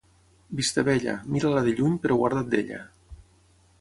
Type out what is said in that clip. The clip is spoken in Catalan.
Vistabella, mira-la de lluny, però guarda't d'ella.